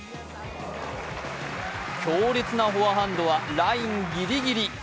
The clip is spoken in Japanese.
強烈なフォアハンドはラインギリギリ！